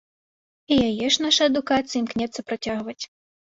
І яе ж наша адукацыя імкнецца працягваць.